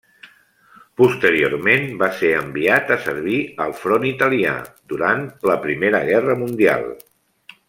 Posteriorment, va ser enviat a servir al front italià durant la Primera Guerra Mundial.